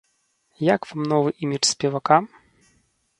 Як вам новы імідж спевака?